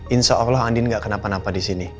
insya allah andin gak kenapa napa di sini